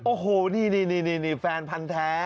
โอ้โหนี่แฟนพันธ์แท้